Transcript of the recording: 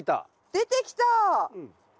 出てきた。